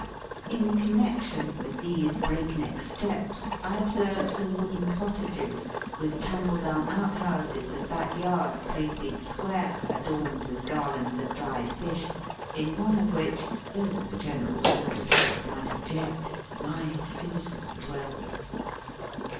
In connection with these breakneck steps I observe some wooden cottages, with tumble down out houses, and back yards three feet square, adorned with garlands of dried fish, in one of which (though the General Board of Health might object) my Susan dwells.